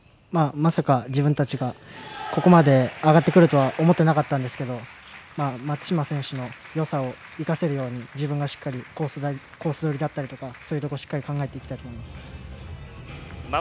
まさか、自分たちがここまで上がってくるとは思っていなかったんですけど松島選手のよさを生かせるように自分がしっかりコースどりだったりとかそういうところをしっかり考えていきたいと思います。